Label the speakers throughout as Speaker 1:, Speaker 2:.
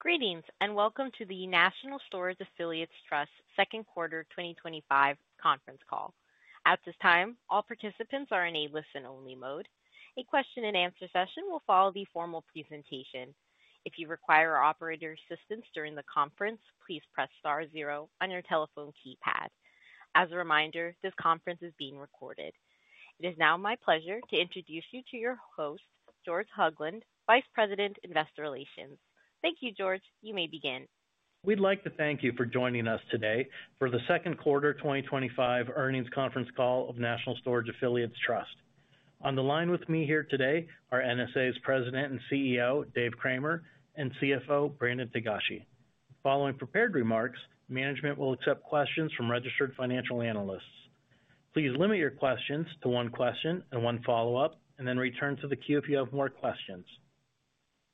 Speaker 1: Greetings and welcome to the National Storage Affiliates Trust second quarter 2025 conference call. At this time, all participants are in a listen-only mode. A question and answer session will follow the formal presentation. If you require operator assistance during the conference, please press star zero on your telephone keypad. As a reminder, this conference is being recorded. It is now my pleasure to introduce you to your host, George Hoglund, Vice President, Investor Relations. Thank you, George. You may begin.
Speaker 2: We'd like to thank you for joining us today for the second quarter 2025 earnings conference call of National Storage Affiliates Trust. On the line with me here today are NSA's President and CEO, Dave Cramer, and CFO, Brandon Togashi. Following prepared remarks, management will accept questions from registered financial analysts. Please limit your questions to one question and one follow-up, and then return to the queue if you have more questions.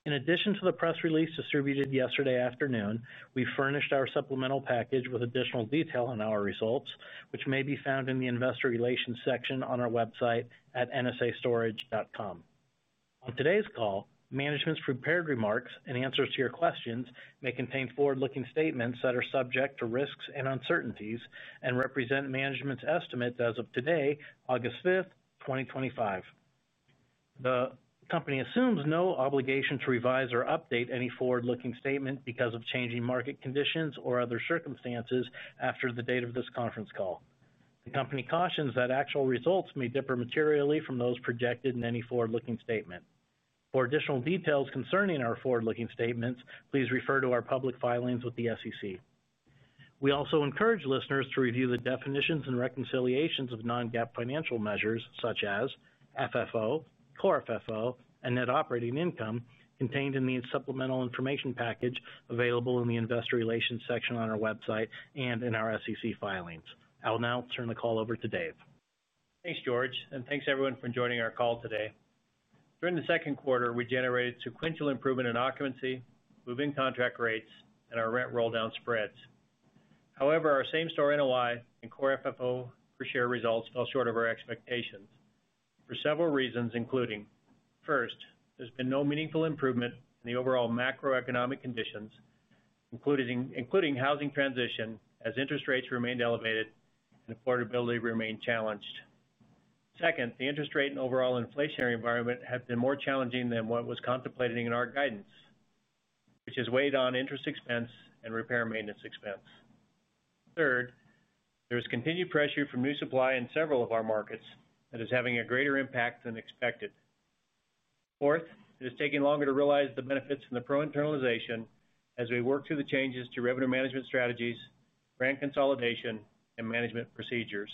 Speaker 2: In addition to the press release distributed yesterday afternoon, we furnished our supplemental package with additional detail on our results, which may be found in the Investor Relations section on our website at nsastorage.com. On today's call, management's prepared remarks and answers to your questions may contain forward-looking statements that are subject to risks and uncertainties and represent management's estimates as of today, August 5th, 2025. The company assumes no obligation to revise or update any forward-looking statement because of changing market conditions or other circumstances after the date of this conference call. The company cautions that actual results may differ materially from those projected in any forward-looking statement. For additional details concerning our forward-looking statements, please refer to our public filings with the SEC. We also encourage listeners to review the definitions and reconciliations of non-GAAP financial measures such as FFO, Core FFO, and Net Operating Income contained in the supplemental information package available in the Investor Relations section on our website and in our SEC filings. I'll now turn the call over to Dave.
Speaker 3: Thanks, George, and thanks everyone for joining our call today. During the second quarter, we generated sequential improvement in occupancy, moving contract rates, and our rent rollout spreads. However, our same-store NOI and Core FFO per share results fell short of our expectations for several reasons, including: first, there's been no meaningful improvement in the overall macroeconomic conditions, including housing transition, as interest rates remained elevated and affordability remained challenged. Second, the interest rate and overall inflationary environment have been more challenging than what was contemplated in our guidance, which has weighed on interest expense and repair maintenance expense. Third, there is continued pressure from new supply in several of our markets that is having a greater impact than expected. Fourth, it has taken longer to realize the benefits from the PRO-internalization as we work through the changes to revenue management strategies, brand consolidation, and management procedures.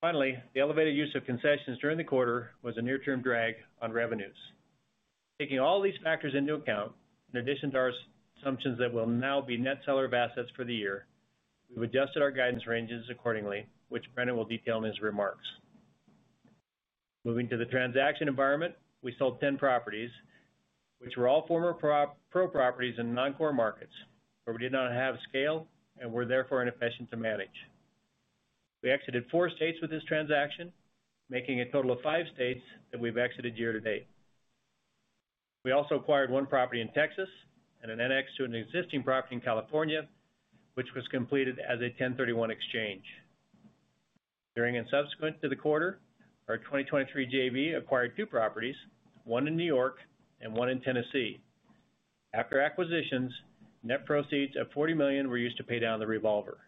Speaker 3: Finally, the elevated use of concessions during the quarter was a near-term drag on revenues. Taking all these factors into account, in addition to our assumptions that we'll now be net seller of assets for the year, we've adjusted our guidance ranges accordingly, which Brandon will detail in his remarks. Moving to the transaction environment, we sold 10 properties, which were all former PRO properties in non-core markets where we did not have scale and were therefore inefficient to manage. We exited four states with this transaction, making a total of five states that we've exited year to date. We also acquired one property in Texas and an annex to an existing property in California, which was completed as a 1031 exchange. During and subsequent to the quarter, our 2023 JV acquired two properties, one in New York and one in Tennessee. After acquisitions, net proceeds of $40 million were used to pay down the revolver.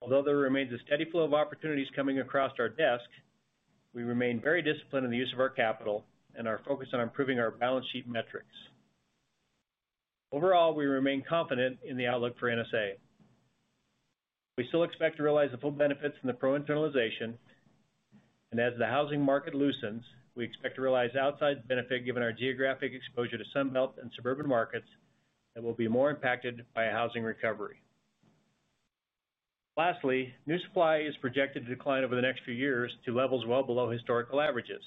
Speaker 3: Although there remains a steady flow of opportunities coming across our desk, we remain very disciplined in the use of our capital and our focus on improving our balance sheet metrics. Overall, we remain confident in the outlook for NSA. We still expect to realize the full benefits from the PRO-internalization, and as the housing market loosens, we expect to realize the outsized benefit given our geographic exposure to Sunbelt and suburban markets that will be more impacted by a housing recovery. Lastly, new supply is projected to decline over the next few years to levels well below historical averages,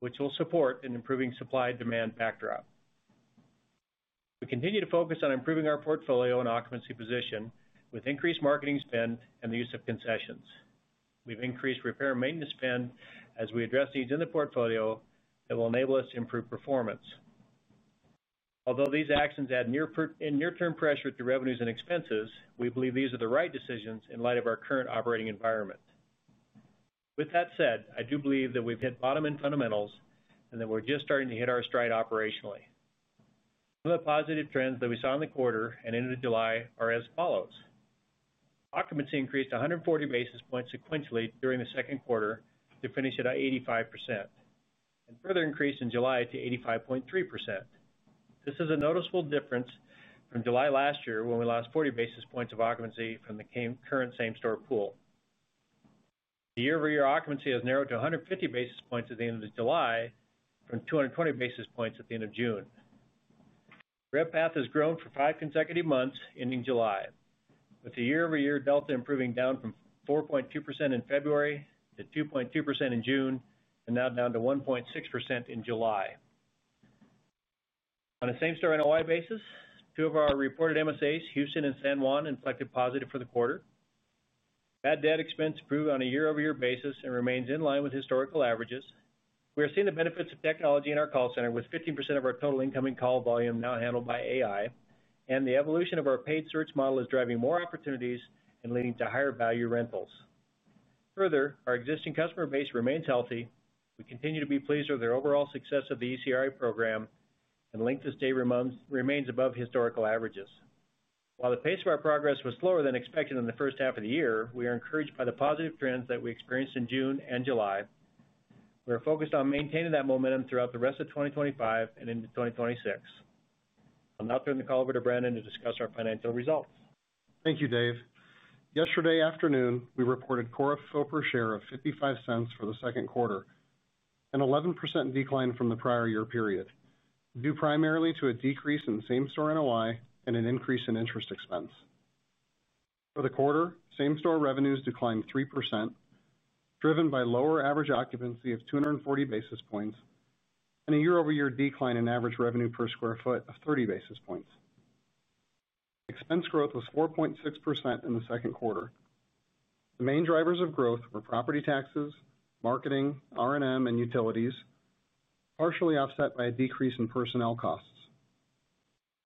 Speaker 3: which will support an improving supply-demand backdrop. We continue to focus on improving our portfolio and occupancy position with increased marketing spend and the use of concessions. We've increased repair maintenance spend as we address needs in the portfolio that will enable us to improve performance. Although these actions add near-term pressure to revenues and expenses, we believe these are the right decisions in light of our current operating environment. With that said, I do believe that we've hit bottom in fundamentals and that we're just starting to hit our stride operationally. Some of the positive trends that we saw in the quarter and into July are as follows: occupancy increased 140 basis points sequentially during the second quarter to finish at 85% and further increased in July to 85.3%. This is a noticeable difference from July last year when we lost 40 basis points of occupancy from the current same-store pool. The year-over-year occupancy has narrowed to 150 basis points at the end of July from 220 basis points at the end of June. Rent path has grown for five consecutive months ending July, with the year-over-year delta improving down from 4.2% in February to 2.2% in June and now down to 1.6% in July. On a same-store NOI basis, two of our reported MSAs, Houston and San Juan, inflected positive for the quarter. Bad debt expense improved on a year-over-year basis and remains in line with historical averages. We are seeing the benefits of technology in our call center, with 15% of our total incoming call volume now handled by AI, and the evolution of our paid search model is driving more opportunities and leading to higher value rentals. Further, our existing customer base remains healthy. We continue to be pleased with the overall success of the ECRI program and link to stay remains above historical averages. While the pace of our progress was slower than expected in the first half of the year, we are encouraged by the positive trends that we experienced in June and July. We are focused on maintaining that momentum throughout the rest of 2025 and into 2026. I'll now turn the call over to Brandon to discuss our financial results.
Speaker 4: Thank you, Dave. Yesterday afternoon, we reported Core FFO per share of $0.55 for the second quarter, an 11% decline from the prior year period, due primarily to a decrease in same-store NOI and an increase in interest expense. For the quarter, same-store revenues declined 3%, driven by lower average occupancy of 240 basis points and a year-over-year decline in average revenue per square foot of 30 basis points. Expense growth was 4.6% in the second quarter. The main drivers of growth were property taxes, marketing, R&M, and utilities, partially offset by a decrease in personnel costs.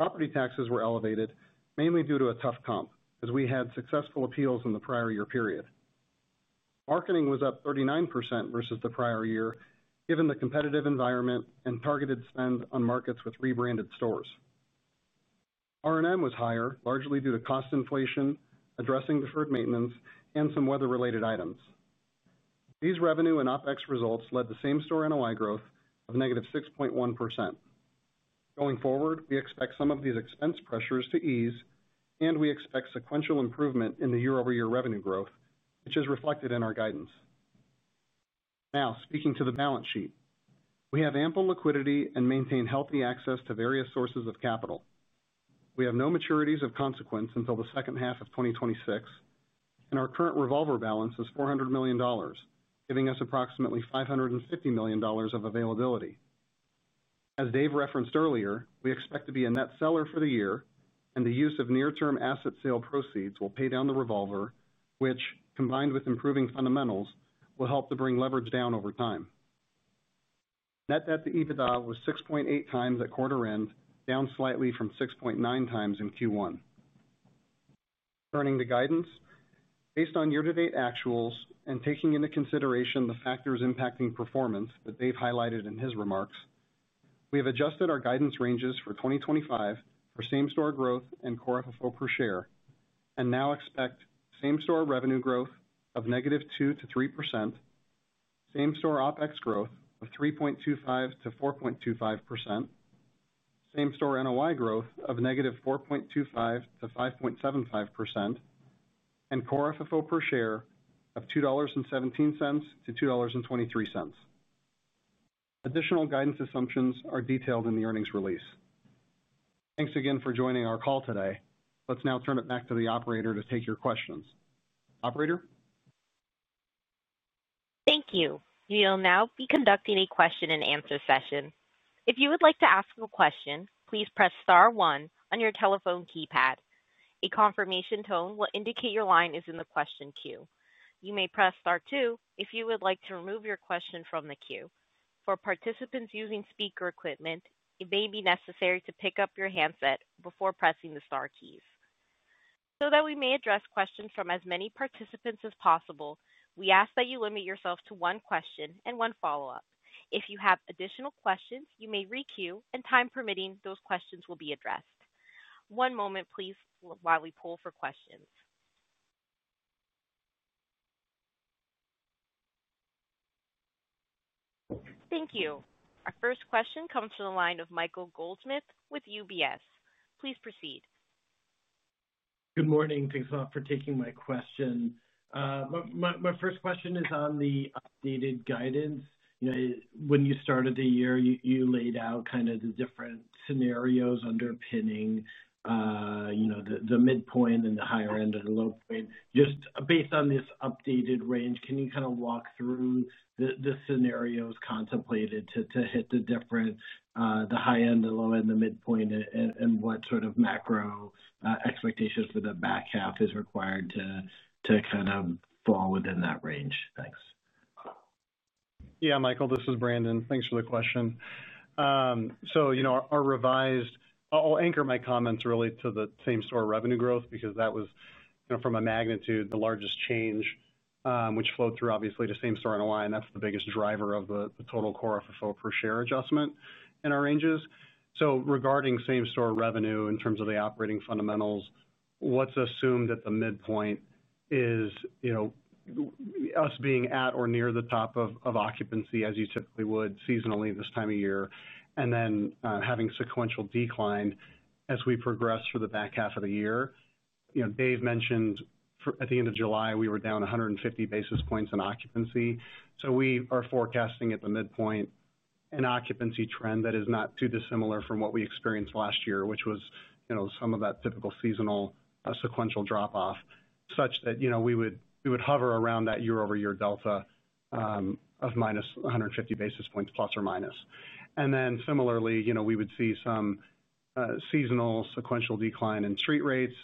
Speaker 4: Property taxes were elevated, mainly due to a tough comp, as we had successful appeals in the prior year period. Marketing was up 39% versus the prior year, given the competitive environment and targeted spend on markets with rebranded stores. R&M was higher, largely due to cost inflation, addressing deferred maintenance, and some weather-related items. These revenue and OpEx results led to same-store NOI growth of negative 6.1%. Going forward, we expect some of these expense pressures to ease, and we expect sequential improvement in the year-over-year revenue growth, which is reflected in our guidance. Now, speaking to the balance sheet, we have ample liquidity and maintain healthy access to various sources of capital. We have no maturities of consequence until the second half of 2026, and our current revolver balance is $400 million, giving us approximately $550 million of availability. As Dave referenced earlier, we expect to be a net seller for the year, and the use of near-term asset sale proceeds will pay down the revolver, which, combined with improving fundamentals, will help to bring leverage down over time. Net debt to EBITDA was 6.8x at quarter end, down slightly from 6.9x in Q1. Turning to guidance, based on year-to-date actuals and taking into consideration the factors impacting performance that Dave highlighted in his remarks, we have adjusted our guidance ranges for 2025 for same-store growth and Core FFO per share, and now expect same-store revenue growth of -2% to 3%, same-store OPEX growth of 3.25% to 4.25%, same-store NOI growth of -4.25% to 5.75%, and Core FFO per share of $2.17 to $2.23. Additional guidance assumptions are detailed in the earnings release. Thanks again for joining our call today. Let's now turn it back to the operator to take your questions. Operator?
Speaker 1: Thank you. We will now be conducting a question and answer session. If you would like to ask a question, please press star one on your telephone keypad. A confirmation tone will indicate your line is in the question queue. You may press star two if you would like to remove your question from the queue. For participants using speaker equipment, it may be necessary to pick up your handset before pressing the star keys. So that we may address questions from as many participants as possible, we ask that you limit yourself to one question and one follow-up. If you have additional questions, you may re-queue and, time permitting, those questions will be addressed. One moment, please, while we pull for questions. Thank you. Our first question comes from the line of Michael Goldsmith with UBS. Please proceed.
Speaker 5: Good morning. Thanks a lot for taking my question. My first question is on the updated guidance. When you started the year, you laid out kind of the different scenarios underpinning the midpoint and the higher end of the low point. Just based on this updated range, can you walk through the scenarios contemplated to hit the different, the high end, the low end, the midpoint, and what sort of macro expectations for the back half is required to kind of fall within that range? Thanks.
Speaker 4: Yeah, Michael, this is Brandon. Thanks for the question. You know, our revised, I'll anchor my comments really to the same-store revenue growth because that was, from a magnitude, the largest change, which flowed through obviously to same-store NOI, and that's the biggest driver of the total Core FFO per share adjustment in our ranges. Regarding same-store revenue in terms of the operating fundamentals, what's assumed at the midpoint is us being at or near the top of occupancy as you typically would seasonally this time of year, and then having sequential decline as we progress through the back half of the year. Dave mentioned at the end of July, we were down 150 basis points in occupancy. We are forecasting at the midpoint an occupancy trend that is not too dissimilar from what we experienced last year, which was some of that typical seasonal sequential drop-off such that we would hover around that year-over-year delta of -150 basis points, plus or minus. Similarly, we would see some seasonal sequential decline in street rates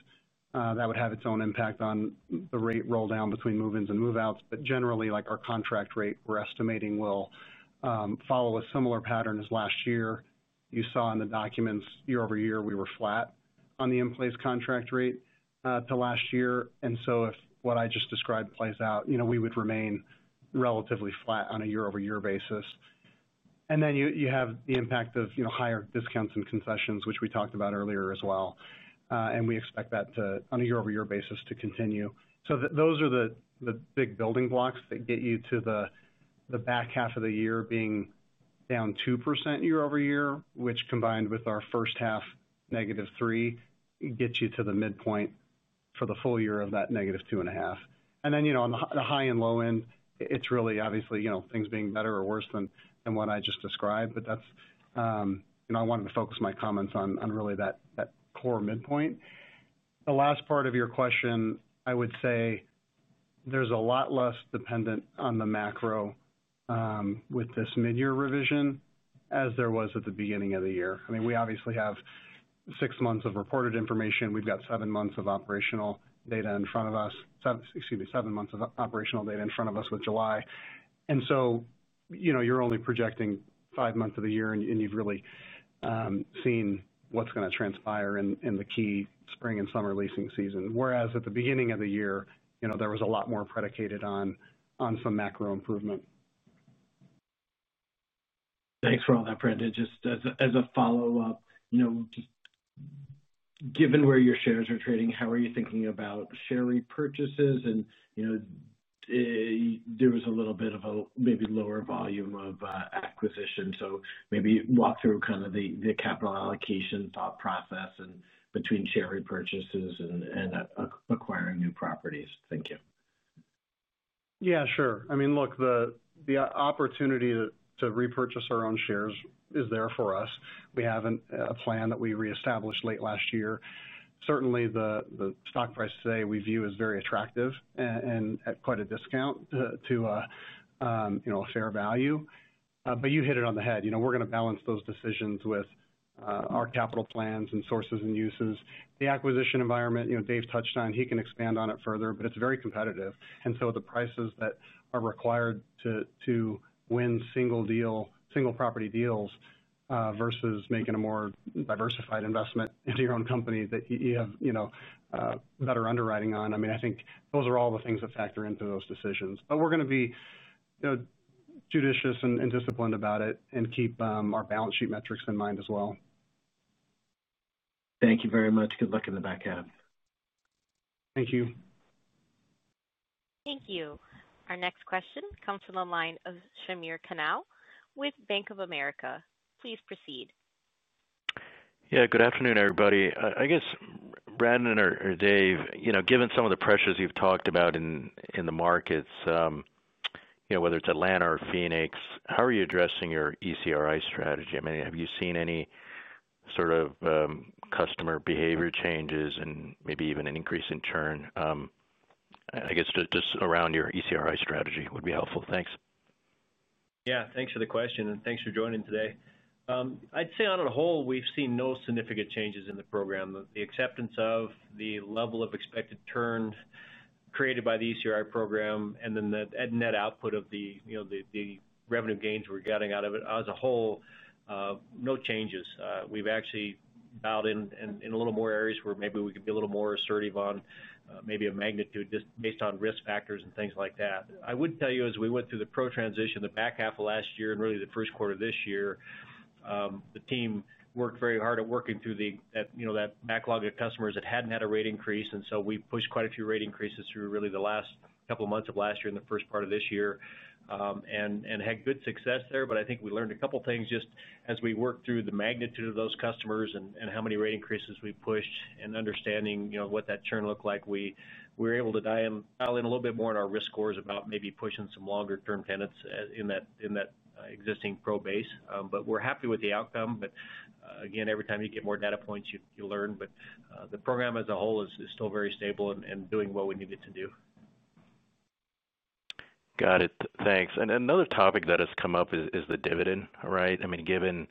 Speaker 4: that would have its own impact on the rate roll down between move-ins and move-outs. Generally, our contract rate, we're estimating, will follow a similar pattern as last year. You saw in the documents year-over-year, we were flat on the in-place contract rate to last year. If what I just described plays out, we would remain relatively flat on a year-over-year basis. You have the impact of higher discounts and concessions, which we talked about earlier as well, and we expect that to, on a year-over-year basis, continue. Those are the big building blocks that get you to the back half of the year being down 2% year-over-year, which combined with our first half, -3%, gets you to the midpoint for the full year of that -2.5%. On the high and low end, it's really obviously things being better or worse than what I just described. I wanted to focus my comments on really that core midpoint. The last part of your question, I would say there's a lot less dependent on the macro, with this mid-year revision as there was at the beginning of the year. We obviously have six months of reported information. We've got seven months of operational data in front of us. Excuse me, seven months of operational data in front of us with July. You're only projecting five months of the year, and you've really seen what's going to transpire in the key spring and summer leasing season. Whereas at the beginning of the year, there was a lot more predicated on some macro improvement.
Speaker 5: Thanks for all that, Brandon. Just as a follow-up, given where your shares are trading, how are you thinking about share repurchases? There was a little bit of a maybe lower volume of acquisition. Maybe walk through kind of the capital allocation thought process between share repurchases and acquiring new properties. Thank you.
Speaker 4: Yeah, sure. I mean, look, the opportunity to repurchase our own shares is there for us. We have a plan that we reestablished late last year. Certainly, the stock price today we view as very attractive and at quite a discount to fair value. You hit it on the head. You know, we're going to balance those decisions with our capital plans and sources and uses. The acquisition environment, you know, Dave touched on, he can expand on it further, is very competitive. The prices that are required to win single property deals versus making a more diversified investment into your own company that you have better underwriting on, I mean, I think those are all the things that factor into those decisions. We're going to be judicious and disciplined about it and keep our balance sheet metrics in mind as well.
Speaker 5: Thank you very much. Good luck in the back end.
Speaker 4: Thank you.
Speaker 1: Thank you. Our next question comes from the line of Samir Khanal with Bank of America. Please proceed.
Speaker 6: Good afternoon, everybody. I guess, Brandon or Dave, given some of the pressures you've talked about in the markets, whether it's Atlanta or Phoenix, how are you addressing your ECRI strategy? Have you seen any sort of customer behavior changes and maybe even an increase in churn? Just around your ECRI strategy would be helpful. Thanks.
Speaker 3: Yeah, thanks for the question and thanks for joining today. I'd say on a whole, we've seen no significant changes in the program. The acceptance of the level of expected churn created by the ECRI program and then the net output of the, you know, the revenue gains we're getting out of it as a whole, no changes. We've actually dialed in a little more areas where maybe we could be a little more assertive on, maybe a magnitude just based on risk factors and things like that. I would tell you, as we went through the PRO transition, the back half of last year and really the first quarter of this year, the team worked very hard at working through the, you know, that backlog of customers that hadn't had a rate increase. We pushed quite a few rate increases through really the last couple of months of last year and the first part of this year, and had good success there. I think we learned a couple of things just as we worked through the magnitude of those customers and how many rate increases we pushed and understanding, you know, what that churn looked like. We were able to dial in a little bit more on our risk scores about maybe pushing some longer-term tenants in that existing PRO base. We're happy with the outcome. Again, every time you get more data points, you learn. The program as a whole is still very stable and doing what we need it to do.
Speaker 6: Got it. Thanks. Another topic that has come up is the dividend, right? I mean, given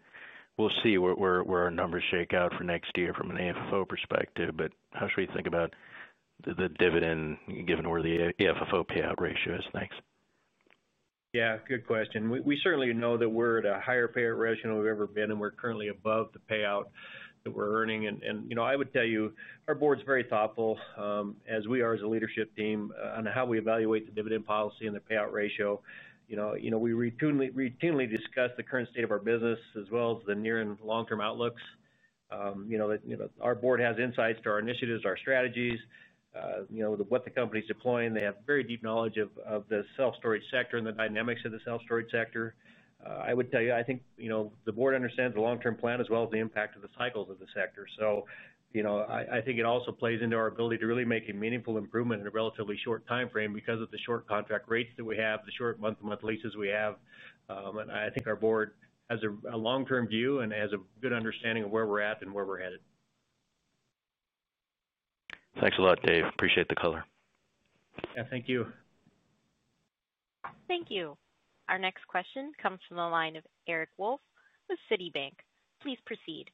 Speaker 6: we'll see where our numbers shake out for next year from a Core FFO perspective, how should we think about the dividend given where the dividend payout ratio is? Thanks.
Speaker 3: Good question. We certainly know that we're at a higher payout ratio than we've ever been, and we're currently above the payout that we're earning. I would tell you, our board's very thoughtful, as we are as a leadership team, on how we evaluate the dividend policy and the payout ratio. We routinely discuss the current state of our business as well as the near and long-term outlooks. Our board has insights to our initiatives, our strategies, what the company's deploying. They have very deep knowledge of the self storage sector and the dynamics of the self storage sector. I would tell you, I think the board understands the long-term plan as well as the impact of the cycles of the sector. I think it also plays into our ability to really make a meaningful improvement in a relatively short timeframe because of the short contract rates that we have, the short month-to-month leases we have. I think our board has a long-term view and has a good understanding of where we're at and where we're headed.
Speaker 6: Thanks a lot, Dave. Appreciate the color.
Speaker 3: Thank you.
Speaker 1: Thank you. Our next question comes from the line of Eric Wolfe with Citi. Please proceed.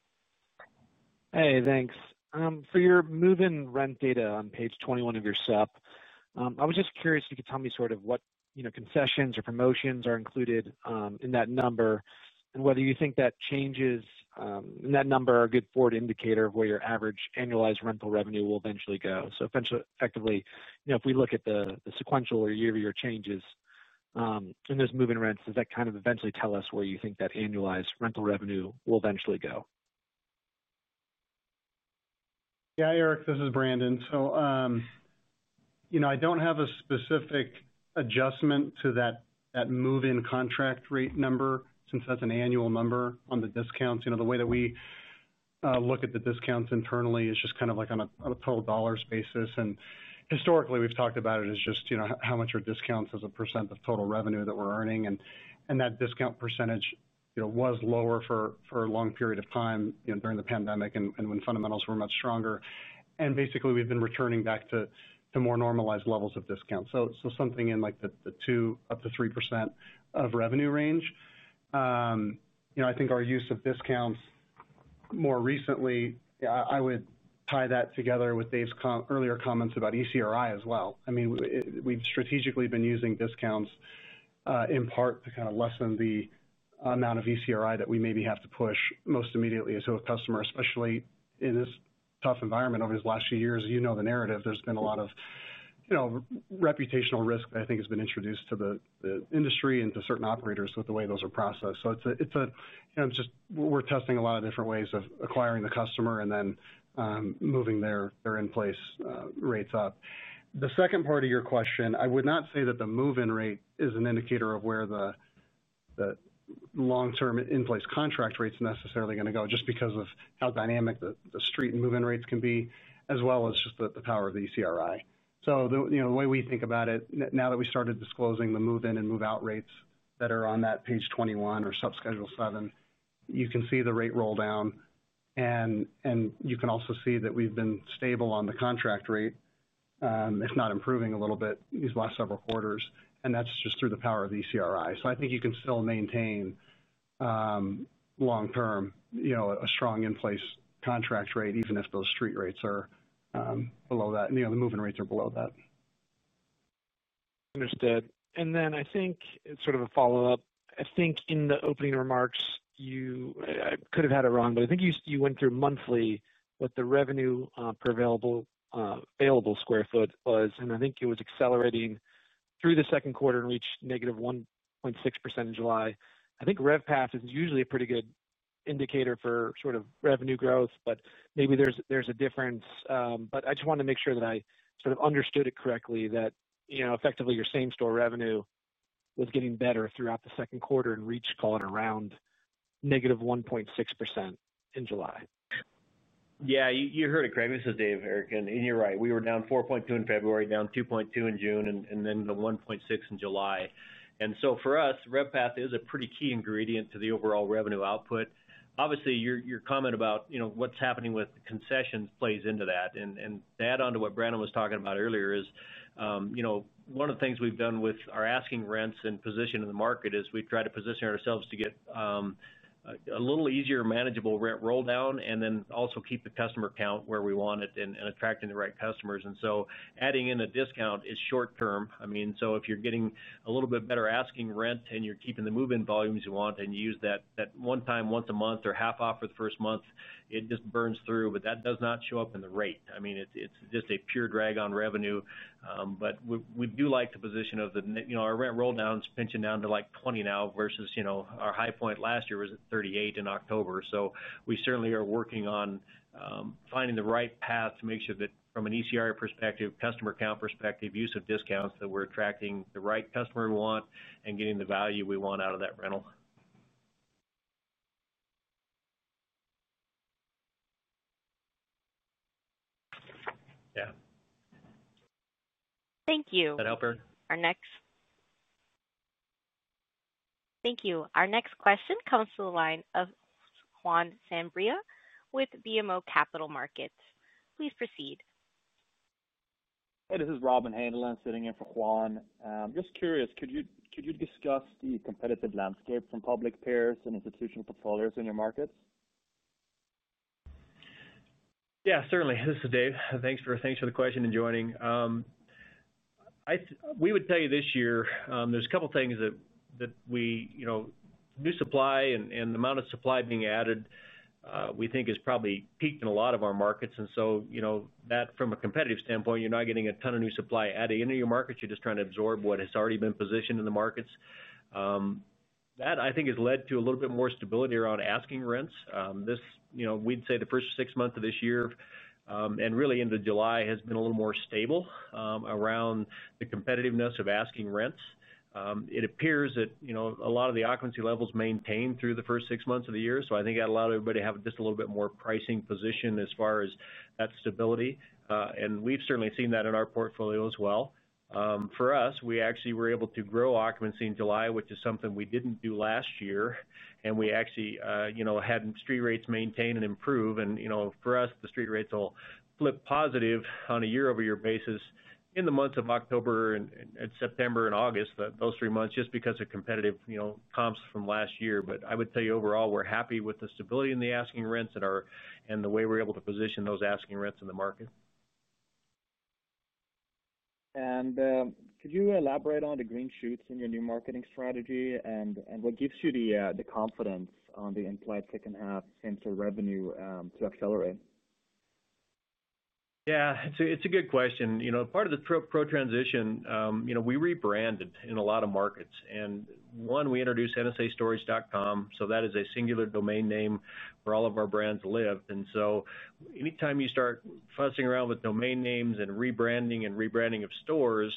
Speaker 7: Hey, thanks. For your move-in rent data on page 21 of your SEP, I was just curious if you could tell me what concessions or promotions are included in that number and whether you think that changes in that number are a good forward indicator of where your average annualized rental revenue will eventually go. Effectively, if we look at the sequential or year-to-year changes in those move-in rents, does that eventually tell us where you think that annualized rental revenue will eventually go?
Speaker 4: Yeah, Eric, this is Brandon. I don't have a specific adjustment to that move-in contract rate number since that's an annual number on the discounts. The way that we look at the discounts internally is just kind of like on a total dollars basis. Historically, we've talked about it as just how much are discounts as a percent of total revenue that we're earning. That discount percentage was lower for a long period of time during the pandemic and when fundamentals were much stronger. Basically, we've been returning back to more normalized levels of discounts, something in like the 2% up to 3% of revenue range. I think our use of discounts more recently, I would tie that together with Dave's earlier comments about ECRI as well. We've strategically been using discounts in part to kind of lessen the amount of ECRI that we maybe have to push most immediately to a customer, especially in this tough environment over these last few years. The narrative, there's been a lot of reputational risk that I think has been introduced to the industry and to certain operators with the way those are processed. We're testing a lot of different ways of acquiring the customer and then moving their in-place rates up. The second part of your question, I would not say that the move-in rate is an indicator of where the long-term in-place contract rate is necessarily going to go just because of how dynamic the street and move-in rates can be, as well as just the power of the ECRI. The way we think about it now that we started disclosing the move-in and move-out rates that are on that page 21 or subschedule 7, you can see the rate roll down. You can also see that we've been stable on the contract rate, if not improving a little bit these last several quarters. That's just through the power of the ECRI. I think you can still maintain, long-term, a strong in-place contract rate even if those street rates are below that, the move-in rates are below that.
Speaker 7: Understood. I think it's sort of a follow-up. I think in the opening remarks, I could have had it wrong, but I think you went through monthly what the revenue per available square foot was. I think it was accelerating through the second quarter and reached -1.6% in July. I think RevPAR is usually a pretty good indicator for sort of revenue growth, but maybe there's a difference. I just wanted to make sure that I sort of understood it correctly that, you know, effectively your same-store revenue was getting better throughout the second quarter and reached, call it around -1.6% in July.
Speaker 3: Yeah, you heard it correct. This is Dave, Eric, and you're right. We were down 4.2% in February, down 2.2% in June, and then to 1.6% in July. For us, RevPAR is a pretty key ingredient to the overall revenue output. Obviously, your comment about what's happening with the concessions plays into that. To add on to what Brandon was talking about earlier, one of the things we've done with our asking rents and position in the market is we've tried to position ourselves to get a little easier manageable rent roll down and also keep the customer count where we want it and attracting the right customers. Adding in a discount is short term. If you're getting a little bit better asking rent and you're keeping the move-in volumes you want and you use that one time, once a month or half off for the first month, it just burns through. That does not show up in the rate. It's just a pure drag on revenue. We do like the position of the rent roll down is pinching down to like 20 now versus our high point last year was at 38 in October. We certainly are working on finding the right path to make sure that from an ECRI perspective, customer count perspective, use of discounts, that we're attracting the right customer we want and getting the value we want out of that rental. Yeah.
Speaker 1: Thank you.
Speaker 3: Is that helping?
Speaker 1: Thank you. Our next question comes to the line of Juan Sanabria with BMO Capital Markets. Please proceed.
Speaker 8: Hey, this is Robin Haneland. I'm sitting here for Juan. I'm just curious, could you discuss the competitive landscape from public peers and institutional portfolios in your market?
Speaker 3: Yeah, certainly. This is Dave. Thanks for the question and joining. We would tell you this year, there's a couple of things that we, you know, new supply and the amount of supply being added, we think has probably peaked in a lot of our markets. From a competitive standpoint, you're not getting a ton of new supply added into your markets. You're just trying to absorb what has already been positioned in the markets. I think that has led to a little bit more stability around asking rents. We'd say the first six months of this year, and really into July, has been a little more stable around the competitiveness of asking rents. It appears that a lot of the occupancy levels maintained through the first six months of the year. I think that allowed everybody to have just a little bit more pricing position as far as that stability. We've certainly seen that in our portfolio as well. For us, we actually were able to grow occupancy in July, which is something we didn't do last year. We actually had street rates maintain and improve. For us, the street rates will flip positive on a year-over-year basis in the months of October, September, and August, those three months, just because of competitive comps from last year. I would tell you overall, we're happy with the stability in the asking rents and the way we're able to position those asking rents in the market.
Speaker 8: Could you elaborate on the green shoots in your new marketing strategy and what gives you the confidence on the implied second half terms of revenue to accelerate?
Speaker 3: Yeah, it's a good question. Part of the PRO-internalization initiative, we rebranded in a lot of markets. We introduced nsastorage.com, which is a singular domain name where all of our brands live. Anytime you start fussing around with domain names and rebranding of stores,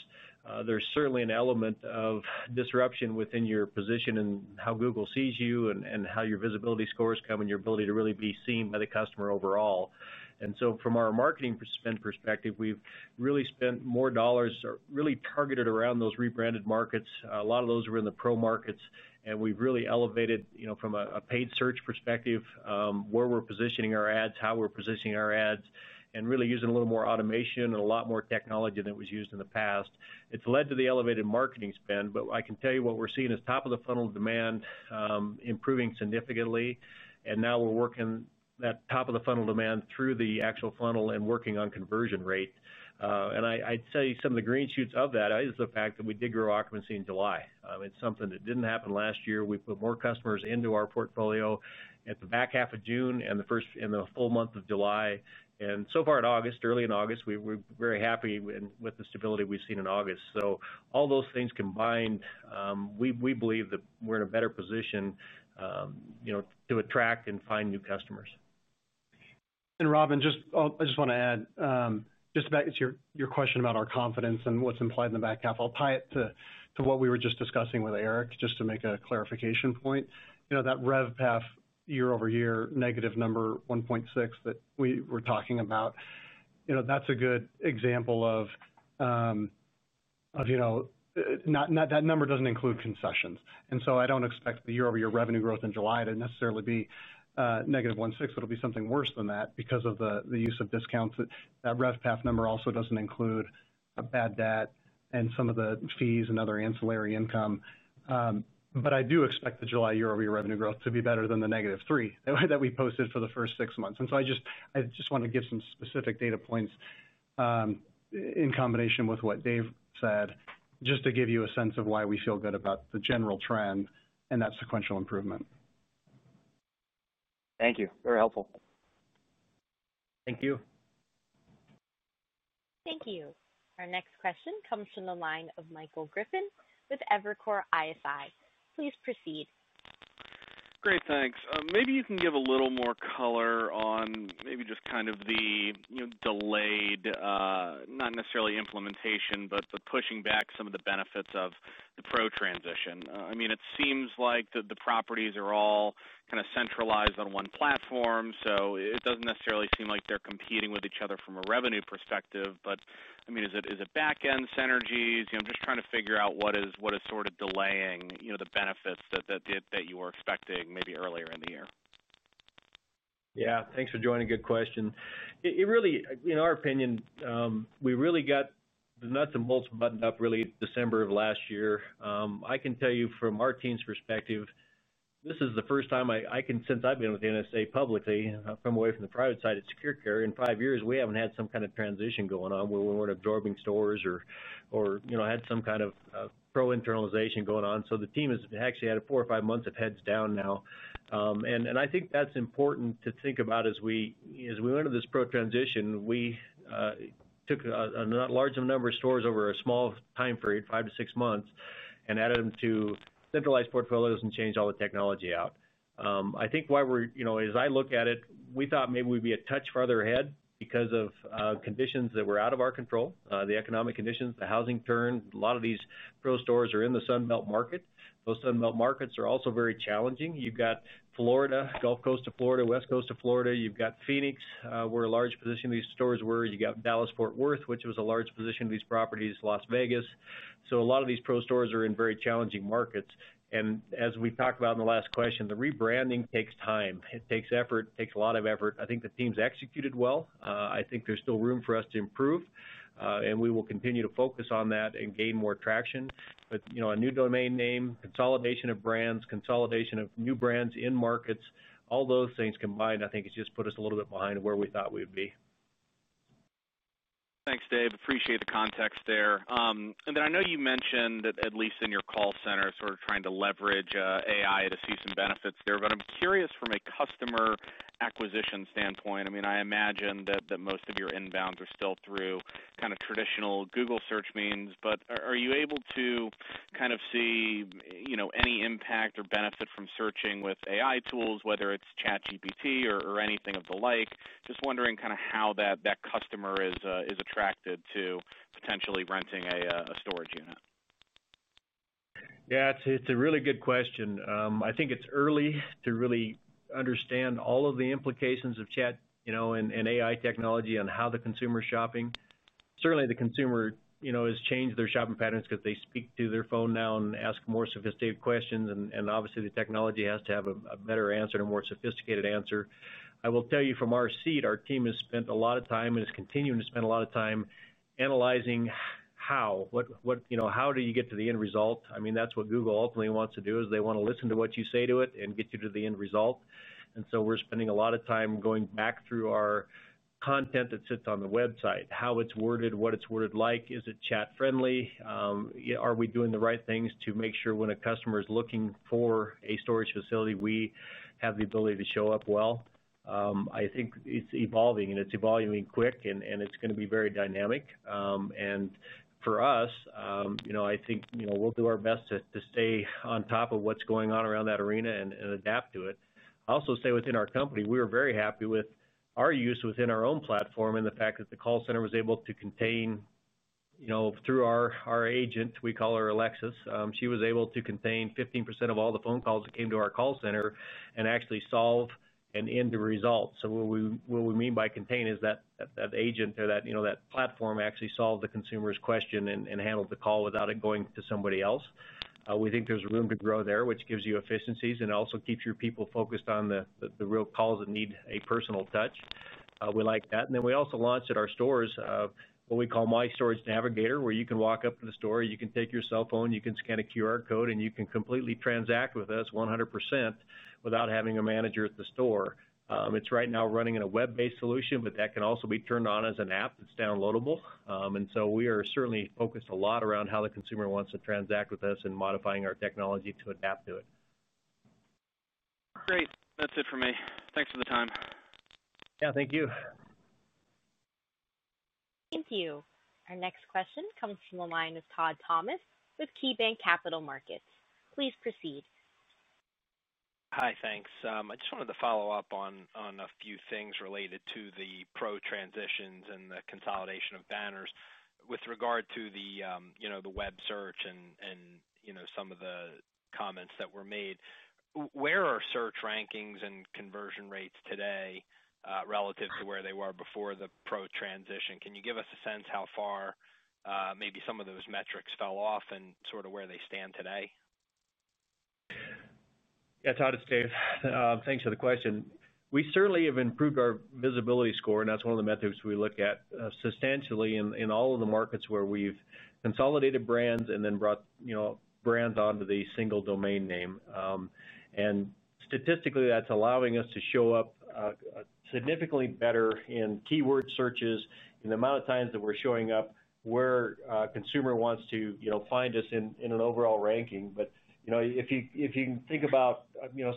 Speaker 3: there's certainly an element of disruption within your position and how Google sees you, how your visibility scores come, and your ability to really be seen by the customer overall. From our marketing spend perspective, we've really spent more dollars targeted around those rebranded markets. A lot of those were in the PRO markets. We've really elevated, from a paid search perspective, where we're positioning our ads, how we're positioning our ads, and really using a little more automation and a lot more technology than was used in the past. It's led to the elevated marketing spend, but I can tell you what we're seeing is top-of-the-funnel demand improving significantly. Now we're working that top-of-the-funnel demand through the actual funnel and working on conversion rate. I'd say some of the green shoots of that is the fact that we did grow occupancy in July. It's something that didn't happen last year. We put more customers into our portfolio at the back half of June and the full month of July. So far in August, early in August, we're very happy with the stability we've seen in August. All those things combined, we believe that we're in a better position to attract and find new customers.
Speaker 4: Robin, I just want to add, back to your question about our confidence and what's implied in the back half. I'll tie it to what we were just discussing with Eric, just to make a clarification point. You know, that RevPAR year-over-year, -1.6% that we were talking about, that's a good example of, you know, that number doesn't include concessions. I don't expect the year-over-year revenue growth in July to necessarily be -1.6%. It'll be something worse than that because of the use of discounts. That RevPAR number also doesn't include bad debt and some of the fees and other ancillary income. I do expect the July year-over-year revenue growth to be better than the -3 that we posted for the first six months. I just want to give some specific data points, in combination with what Dave said, to give you a sense of why we feel good about the general trend and that sequential improvement.
Speaker 8: Thank you. Very helpful.
Speaker 3: Thank you.
Speaker 1: Thank you. Our next question comes from the line of Michael Griffin with Evercore ISI. Please proceed.
Speaker 9: Great, thanks. Maybe you can give a little more color on just kind of the delayed, not necessarily implementation, but pushing back some of the benefits of the PRO-internalization initiative. I mean, it seems like the properties are all kind of centralized on one platform. It doesn't necessarily seem like they're competing with each other from a revenue perspective. Is it back-end synergies? I'm just trying to figure out what is sort of delaying the benefits that you were expecting maybe earlier in the year.
Speaker 3: Yeah, thanks for joining. Good question. It really, in our opinion, we really got the nuts and bolts buttoned up really December of last year. I can tell you from our team's perspective, this is the first time I can, since I've been with National Storage Affiliates Trust publicly, I'm away from the private side at SecureCare. In five years, we haven't had some kind of transition going on where we weren't absorbing stores or had some kind of PRO-internalization initiative going on. The team has actually had four or five months of heads down now, and I think that's important to think about as we went into this PRO transition. We took a large number of stores over a small time period, five to six months, and added them to centralized portfolios and changed all the technology out. I think why we're, as I look at it, we thought maybe we'd be a touch further ahead because of conditions that were out of our control, the economic conditions, the housing turn. A lot of these PRO stores are in the Sunbelt markets. Those Sunbelt markets are also very challenging. You've got Florida, Gulf Coast of Florida, West Coast of Florida. You've got Phoenix, where a large position of these stores were. You've got Dallas-Fort Worth, which was a large position of these properties, Las Vegas. A lot of these PRO stores are in very challenging markets. As we talked about in the last question, the rebranding takes time. It takes effort. It takes a lot of effort. I think the team's executed well. I think there's still room for us to improve, and we will continue to focus on that and gain more traction. A new domain name, consolidation of brands, consolidation of new brands in markets, all those things combined, I think it's just put us a little bit behind where we thought we'd be.
Speaker 9: Thanks, Dave. Appreciate the context there. I know you mentioned that at least in your call center, sort of trying to leverage AI to see some benefits there. I'm curious from a customer acquisition standpoint. I imagine that most of your inbounds are still through kind of traditional Google search means. Are you able to see any impact or benefit from searching with AI tools, whether it's ChatGPT or anything of the like? Just wondering how that customer is attracted to potentially renting a storage unit.
Speaker 3: Yeah, it's a really good question. I think it's early to really understand all of the implications of chat, you know, and AI technology on how the consumer is shopping. Certainly, the consumer has changed their shopping patterns because they speak to their phone now and ask more sophisticated questions. Obviously, the technology has to have a better answer and a more sophisticated answer. I will tell you from our seat, our team has spent a lot of time and is continuing to spend a lot of time analyzing how, what, you know, how do you get to the end result. I mean, that's what Google ultimately wants to do. They want to listen to what you say to it and get you to the end result. We're spending a lot of time going back through our content that sits on the website, how it's worded, what it's worded like. Is it chat-friendly? Are we doing the right things to make sure when a customer is looking for a storage facility, we have the ability to show up well? I think it's evolving, and it's evolving quick, and it's going to be very dynamic. For us, I think we'll do our best to stay on top of what's going on around that arena and adapt to it. I also say within our company, we were very happy with our use within our own platform and the fact that the call center was able to contain, you know, through our agent, we call her Alexis. She was able to contain 15% of all the phone calls that came to our call center and actually solve an end result. What we mean by contain is that that agent or that platform actually solved the consumer's question and handled the call without it going to somebody else. We think there's room to grow there, which gives you efficiencies and also keeps your people focused on the real calls that need a personal touch. We like that. We also launched at our stores what we call My Storage Navigator, where you can walk up to the store, you can take your cell phone, you can scan a QR code, and you can completely transact with us 100% without having a manager at the store. It's right now running in a web-based solution, but that can also be turned on as an app that's downloadable. We are certainly focused a lot around how the consumer wants to transact with us and modifying our technology to adapt to it.
Speaker 9: Great. That's it for me. Thanks for the time.
Speaker 3: Thank you.
Speaker 1: Thank you. Our next question comes from the line of Todd Thomas with KeyBanc Capital Markets. Please proceed.
Speaker 10: Hi, thanks. I just wanted to follow up on a few things related to the PRO transitions and the consolidation of banners. With regard to the web search and some of the comments that were made, where are search rankings and conversion rates today, relative to where they were before the PRO transition? Can you give us a sense how far maybe some of those metrics fell off and sort of where they stand today?
Speaker 3: Yeah, Todd, it's Dave. Thanks for the question. We certainly have improved our visibility score, and that's one of the metrics we look at substantially in all of the markets where we've consolidated brands and then brought brands onto the single domain name. Statistically, that's allowing us to show up significantly better in keyword searches, in the amount of times that we're showing up where a consumer wants to find us in an overall ranking. If you can think about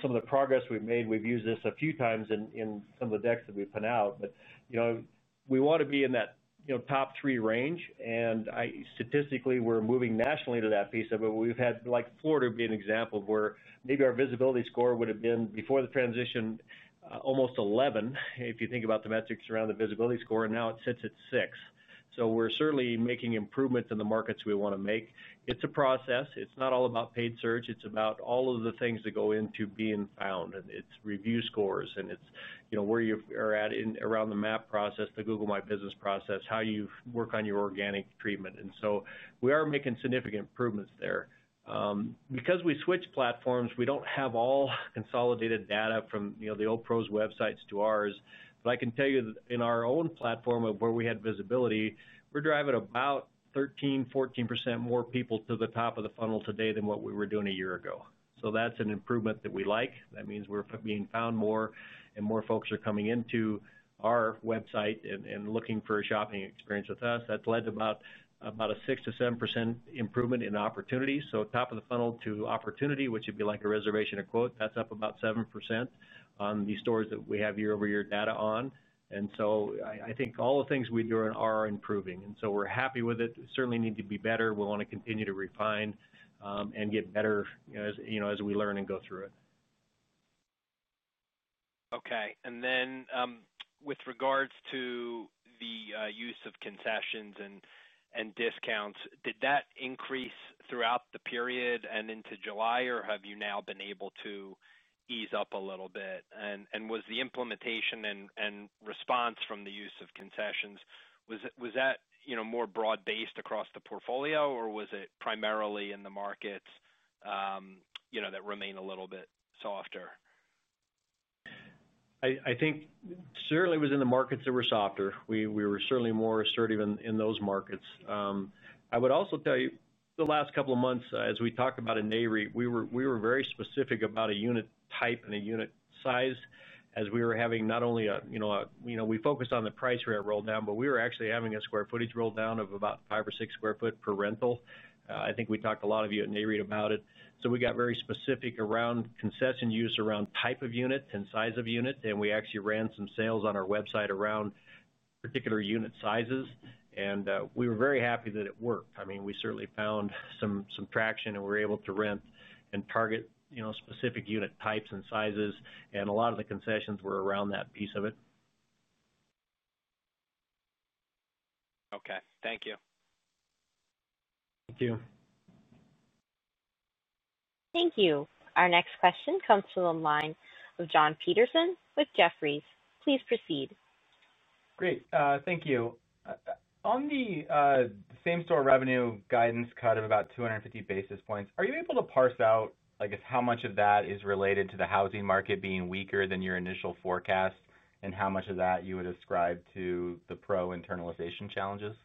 Speaker 3: some of the progress we've made, we've used this a few times in some of the decks that we've put out. We want to be in that top three range. Statistically, we're moving nationally to that piece of it. We've had Florida be an example of where maybe our visibility score would have been before the transition, almost 11 if you think about the metrics around the visibility score, and now it sits at 6. We're certainly making improvements in the markets we want to make. It's a process. It's not all about paid search. It's about all of the things that go into being found. It's review scores, and it's where you are at in the map process, the Google My Business process, how you work on your organic treatment. We are making significant improvements there. Because we switched platforms, we don't have all consolidated data from the old pros' websites to ours. I can tell you that in our own platform where we had visibility, we're driving about 13% to 14% more people to the top of the funnel today than what we were doing a year ago. That's an improvement that we like. That means we're being found more, and more folks are coming into our website and looking for a shopping experience with us. That's led to about a 6% to 7% improvement in opportunities. Top of the funnel to opportunity, which would be like a reservation or quote, that's up about 7% on the stores that we have year-over-year data on. I think all the things we do are improving. We're happy with it. We certainly need to be better. We want to continue to refine and get better as we learn and go through it.
Speaker 10: Okay. With regards to the use of concessions and discounts, did that increase throughout the period and into July, or have you now been able to ease up a little bit? Was the implementation and response from the use of concessions more broad-based across the portfolio, or was it primarily in the markets that remain a little bit softer?
Speaker 3: I think certainly it was in the markets that were softer. We were certainly more assertive in those markets. I would also tell you the last couple of months, as we talk about NAREIT, we were very specific about a unit type and a unit size as we were having not only a, you know, we focused on the price rate roll down, but we were actually having a square footage roll down of about five or six square foot per rental. I think we talked a lot of you at NAREIT about it. We got very specific around concession use, around type of unit and size of unit. We actually ran some sales on our website around particular unit sizes. We were very happy that it worked. I mean, we certainly found some traction and were able to rent and target, you know, specific unit types and sizes. A lot of the concessions were around that piece of it.
Speaker 10: Okay, thank you.
Speaker 3: Thank you.
Speaker 1: Thank you. Our next question comes from the line of John Petersen with Jefferies. Please proceed.
Speaker 11: Great. Thank you. On the same-store revenue guidance cut of about 250 basis points, are you able to parse out how much of that is related to the housing market being weaker than your initial forecast and how much of that you would ascribe to the PRO-internalization challenges?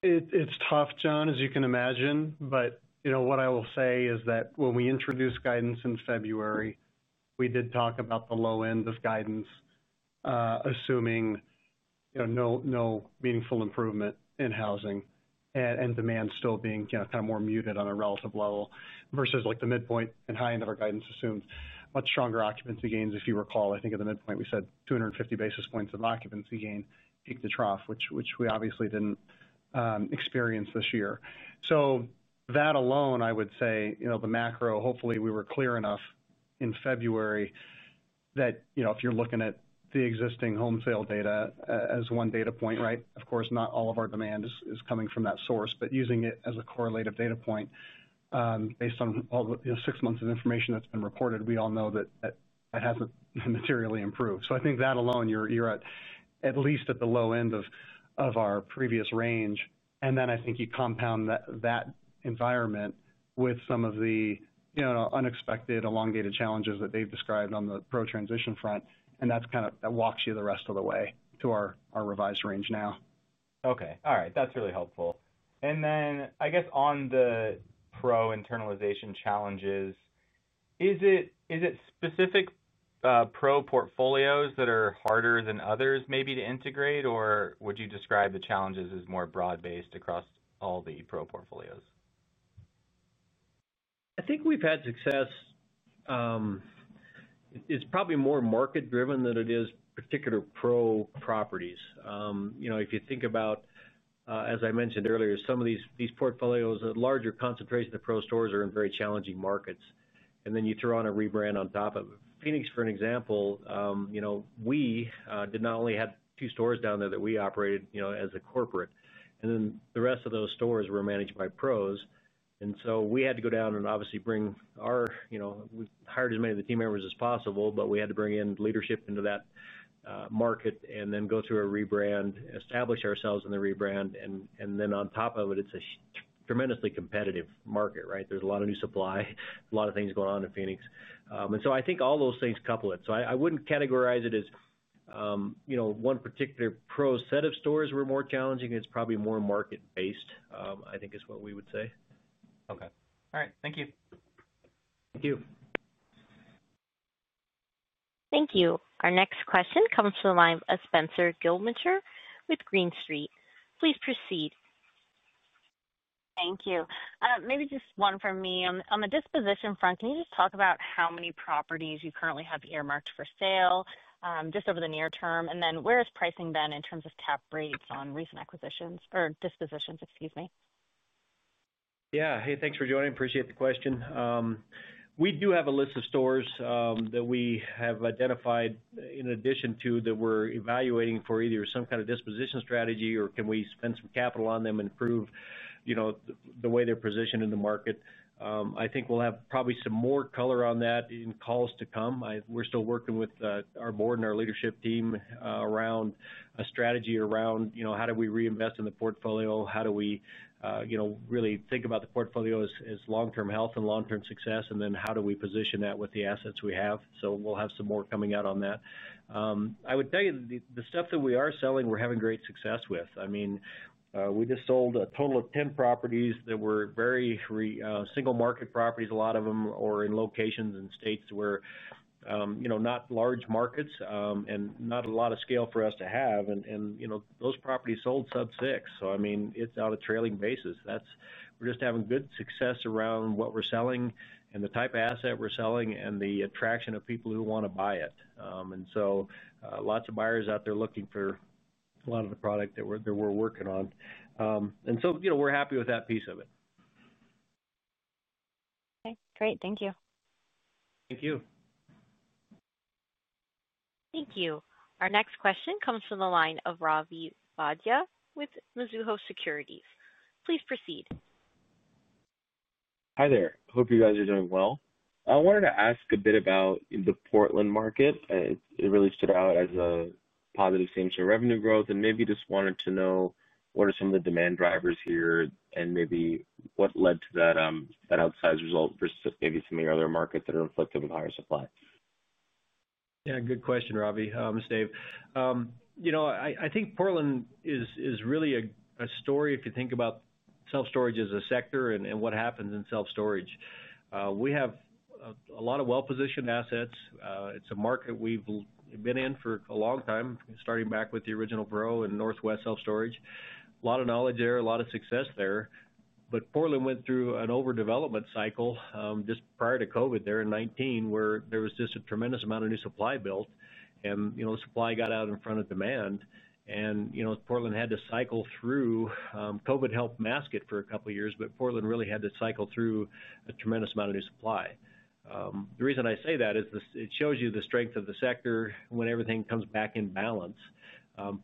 Speaker 4: It's tough, John, as you can imagine. What I will say is that when we introduced guidance in February, we did talk about the low end of guidance, assuming no meaningful improvement in housing and demand still being kind of more muted on a relative level versus the midpoint and high end of our guidance assumes much stronger occupancy gains. If you recall, I think at the midpoint, we said 250 basis points of occupancy gain peak to trough, which we obviously didn't experience this year. That alone, I would say, the macro, hopefully, we were clear enough in February that if you're looking at the existing home sale data as one data point, right? Of course, not all of our demand is coming from that source, but using it as a correlative data point, based on all the six months of information that's been reported, we all know that that hasn't materially improved. I think that alone, you're at at least at the low end of our previous range. I think you compound that environment with some of the unexpected elongated challenges that they've described on the PRO-internalization initiative front. That kind of walks you the rest of the way to our revised range now.
Speaker 11: Okay. All right. That's really helpful. On the PRO-internalization challenges, is it specific PRO portfolios that are harder than others maybe to integrate, or would you describe the challenges as more broad-based across all the PRO portfolios?
Speaker 3: I think we've had success. It's probably more market-driven than it is particular PRO properties. You know, if you think about, as I mentioned earlier, some of these portfolios, a larger concentration of PRO stores are in very challenging markets. You throw on a rebrand on top of Phoenix, for example, we did not only have two stores down there that we operated as a corporate. The rest of those stores were managed by PROs. We had to go down and obviously bring our, we hired as many of the team members as possible, but we had to bring in leadership into that market and then go through a rebrand, establish ourselves in the rebrand. On top of it, it's a tremendously competitive market, right? There's a lot of new supply, a lot of things going on in Phoenix. I think all those things couple it. I wouldn't categorize it as one particular PRO set of stores were more challenging. It's probably more market-based, I think is what we would say.
Speaker 11: Okay. All right. Thank you.
Speaker 3: Thank you.
Speaker 1: Thank you. Our next question comes from the line of Spenser Glimcher with Green Street. Please proceed.
Speaker 12: Thank you. Maybe just one from me. On the disposition front, can you just talk about how many properties you currently have earmarked for sale just over the near term? Where has pricing been in terms of cap rates on recent acquisitions or dispositions? Excuse me.
Speaker 3: Yeah. Hey, thanks for joining. Appreciate the question. We do have a list of stores that we have identified in addition to that we're evaluating for either some kind of disposition strategy or can we spend some capital on them and improve, you know, the way they're positioned in the market. I think we'll have probably some more color on that in calls to come. We're still working with our Board and our leadership team around a strategy around, you know, how do we reinvest in the portfolio? How do we, you know, really think about the portfolio as long-term health and long-term success? Then how do we position that with the assets we have? We'll have some more coming out on that. I would tell you that the stuff that we are selling, we're having great success with. I mean, we just sold a total of 10 properties that were very single market properties. A lot of them are in locations and states where, you know, not large markets and not a lot of scale for us to have. Those properties sold sub-6%. It's on a trailing basis. We're just having good success around what we're selling and the type of asset we're selling and the attraction of people who want to buy it. Lots of buyers out there looking for a lot of the product that we're working on. We're happy with that piece of it.
Speaker 12: Okay, great. Thank you.
Speaker 3: Thank you.
Speaker 1: Thank you. Our next question comes from the line of Ravi Vaidya with Mizuho Securities. Please proceed.
Speaker 13: Hi there. Hope you guys are doing well. I wanted to ask a bit about the Portland market. It really stood out as a positive same-store revenue growth. I just wanted to know what are some of the demand drivers here and what led to that outsized result versus some of your other markets that are afflicted with higher supply?
Speaker 3: Yeah, good question, Ravi. I'm Dave. I think Portland is really a story if you think about self storage as a sector and what happens in self storage. We have a lot of well-positioned assets. It's a market we've been in for a long time, starting back with the original group in Northwest Self Storage. A lot of knowledge there, a lot of success there. Portland went through an overdevelopment cycle just prior to COVID there in 2019 where there was just a tremendous amount of new supply built. The supply got out in front of demand. Portland had to cycle through. COVID helped mask it for a couple of years, but Portland really had to cycle through a tremendous amount of new supply. The reason I say that is it shows you the strength of the sector when everything comes back in balance.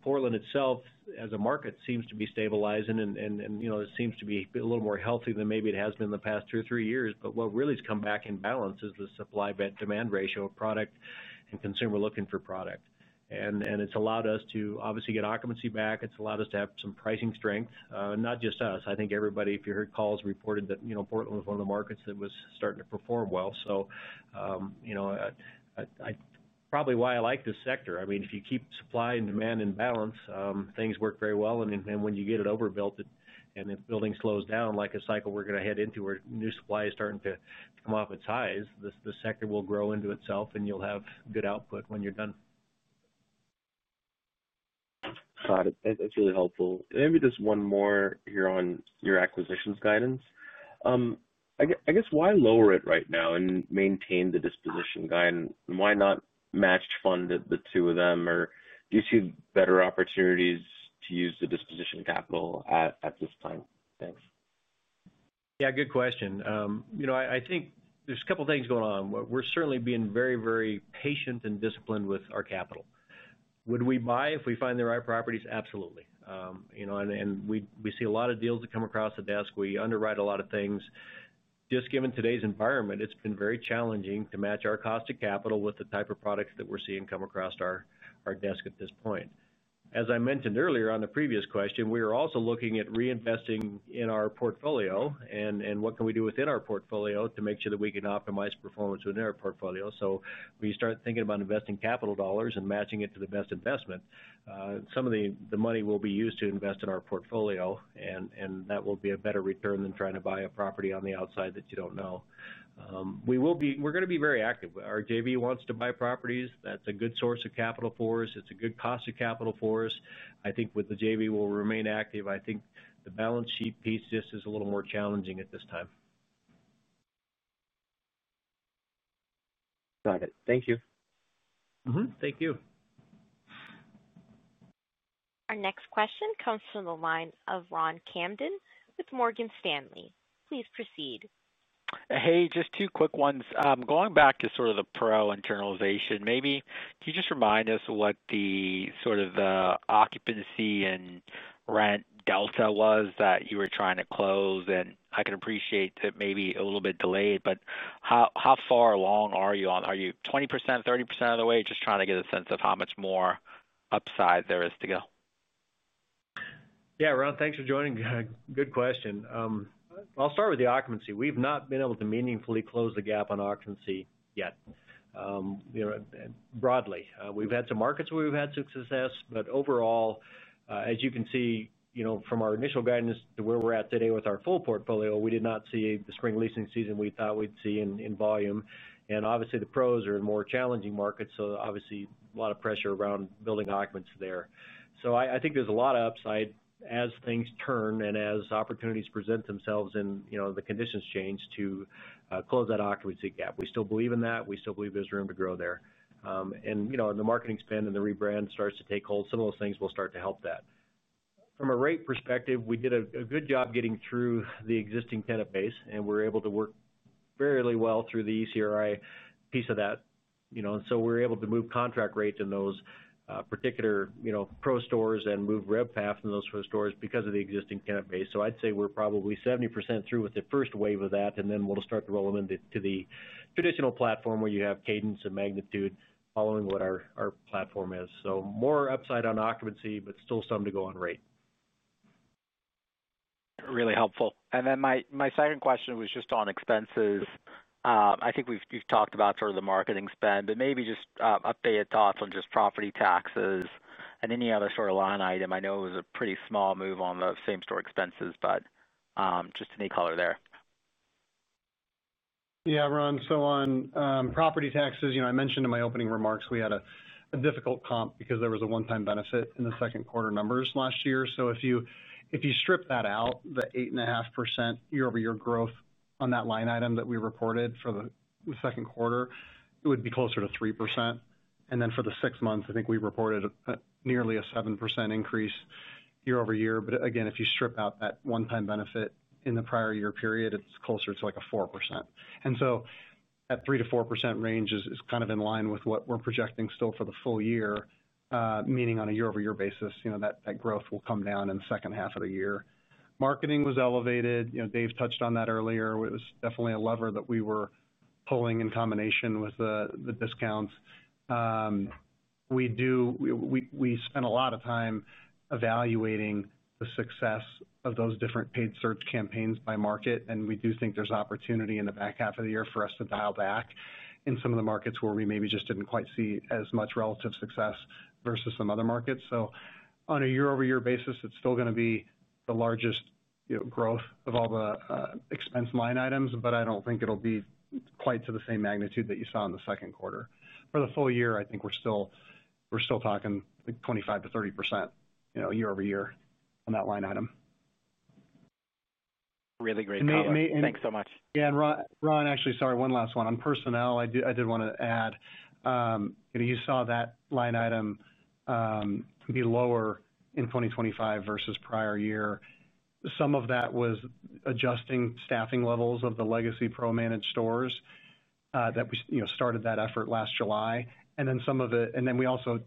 Speaker 3: Portland itself, as a market, seems to be stabilizing and it seems to be a little more healthy than maybe it has been in the past two or three years. What really has come back in balance is the supply-bet-demand ratio of product and consumer looking for product. It's allowed us to obviously get occupancy back. It's allowed us to have some pricing strength. Not just us. I think everybody, if you heard calls, reported that Portland was one of the markets that was starting to perform well. I probably why I like this sector. If you keep supply and demand in balance, things work very well. When you get it overbuilt and if building slows down like a cycle we're going to head into where new supply is starting to come off its highs, this sector will grow into itself and you'll have good output when you're done.
Speaker 13: Got it. That's really helpful. Maybe just one more here on your acquisitions guidance. I guess why lower it right now and maintain the disposition guidance? Why not match fund the two of them? Do you see better opportunities to use the disposition capital at this time? Thanks.
Speaker 3: Yeah, good question. I think there's a couple of things going on. We're certainly being very, very patient and disciplined with our capital. Would we buy if we find the right properties? Absolutely. We see a lot of deals that come across the desk. We underwrite a lot of things. Just given today's environment, it's been very challenging to match our cost of capital with the type of products that we're seeing come across our desk at this point. As I mentioned earlier on the previous question, we are also looking at reinvesting in our portfolio and what can we do within our portfolio to make sure that we can optimize performance within our portfolio. We start thinking about investing capital dollars and matching it to the best investment. Some of the money will be used to invest in our portfolio and that will be a better return than trying to buy a property on the outside that you don't know. We're going to be very active. Our JV wants to buy properties. That's a good source of capital for us. It's a good cost of capital for us. I think with the JV, we'll remain active. I think the balance sheet piece just is a little more challenging at this time.
Speaker 13: Got it. Thank you.
Speaker 3: Thank you.
Speaker 1: Our next question comes from the line of Ronald Kamdem with Morgan Stanley. Please proceed.
Speaker 14: Hey, just two quick ones. Going back to sort of the PRO-internalization, maybe can you just remind us what the sort of the occupancy and rent delta was that you were trying to close? I can appreciate that maybe a little bit delayed, but how far along are you on? Are you 20%, 30% of the way? Just trying to get a sense of how much more upside there is to go.
Speaker 3: Yeah, Ron, thanks for joining. Good question. I'll start with the occupancy. We've not been able to meaningfully close the gap on occupancy yet. Broadly, we've had some markets where we've had success, but overall, as you can see from our initial guidance to where we're at today with our full portfolio, we did not see the spring leasing season we thought we'd see in volume. The pros are in more challenging markets, so obviously a lot of pressure around building occupants there. I think there's a lot of upside as things turn and as opportunities present themselves and the conditions change to close that occupancy gap. We still believe in that. We still believe there's room to grow there. The marketing spend and the rebrand start to take hold. Some of those things will start to help that. From a rate perspective, we did a good job getting through the existing tenant base, and we're able to work fairly well through the ECRI piece of that. We're able to move contract rates in those particular PRO stores and move RevPAR in those PRO stores because of the existing tenant base. I'd say we're probably 70% through with the first wave of that, and then we'll start to roll them into the traditional platform where you have cadence and magnitude following what our platform is. More upside on occupancy, but still some to go on rate.
Speaker 14: Really helpful. My second question was just on expenses. I think we've talked about sort of the marketing spend, but maybe just update your thoughts on just property taxes and any other sort of line item. I know it was a pretty small move on the same-store expenses, but just any color there.
Speaker 4: Yeah, Ron. On property taxes, I mentioned in my opening remarks, we had a difficult comp because there was a one-time benefit in the second quarter numbers last year. If you strip that out, the 8.5% year-over-year growth on that line item that we reported for the second quarter would be closer to 3%. For the six months, I think we reported nearly a 7% increase year-over-year. Again, if you strip out that one-time benefit in the prior year period, it's closer to a 4%. That 3%-4% range is kind of in line with what we're projecting still for the full year, meaning on a year-over-year basis, that growth will come down in the second half of the year. Marketing was elevated. Dave touched on that earlier. It was definitely a lever that we were pulling in combination with the discounts. We spend a lot of time evaluating the success of those different paid search campaigns by market. We do think there's opportunity in the back half of the year for us to dial back in some of the markets where we maybe just didn't quite see as much relative success versus some other markets. On a year-over-year basis, it's still going to be the largest growth of all the expense line items, but I don't think it'll be quite to the same magnitude that you saw in the second quarter. For the full year, I think we're still talking 25%-30% year-over-year on that line item.
Speaker 14: Really great thought. Thanks so much.
Speaker 4: Yeah, and Ron, actually, sorry, one last one. On personnel, I did want to add, you know, you saw that line item be lower in 2025 versus prior year. Some of that was adjusting staffing levels of the legacy pro-managed stores that we started that effort last July. Then we also,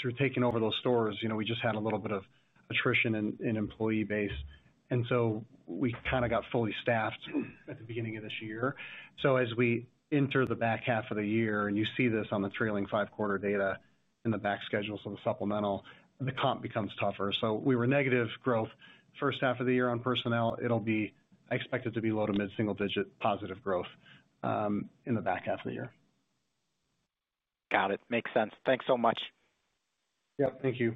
Speaker 4: through taking over those stores, we just had a little bit of attrition in employee base. We kind of got fully staffed at the beginning of this year. As we enter the back half of the year, and you see this on the trailing five-quarter data in the back schedule, the supplemental, the comp becomes tougher. We were negative growth first half of the year on personnel. It'll be, I expect it to be low to mid-single-digit positive growth in the back half of the year.
Speaker 14: Got it. Makes sense. Thanks so much.
Speaker 4: Thank you.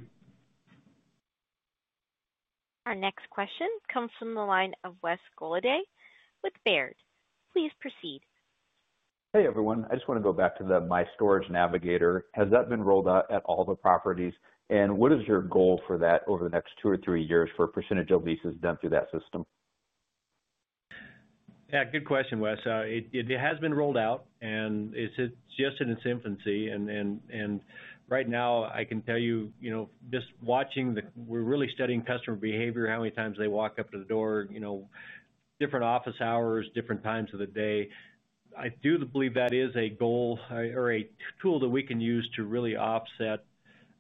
Speaker 1: Our next question comes from the line of Wes Golladay with Baird. Please proceed.
Speaker 15: Hey everyone, I just want to go back to the My Storage Navigator. Has that been rolled out at all the properties? What is your goal for that over the next two or three years for a percentage of leases done through that system?
Speaker 3: Yeah, good question, Wes. It has been rolled out and it's just in its infancy. Right now, I can tell you, we're really studying customer behavior, how many times they walk up to the door, different office hours, different times of the day. I do believe that is a goal or a tool that we can use to really offset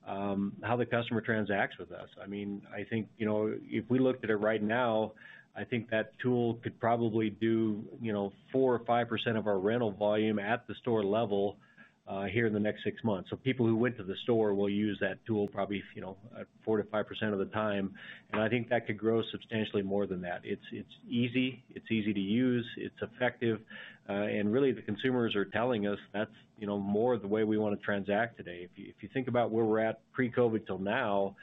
Speaker 3: how the customer transacts with us. I mean, if we looked at it right now, I think that tool could probably do 4% or 5% of our rental volume at the store level here in the next six months. People who went to the store will use that tool probably 4% to 5% of the time. I think that could grow substantially more than that. It's easy. It's easy to use. It's effective. The consumers are telling us that's more the way we want to transact today. If you think about where we're at pre-COVID till now,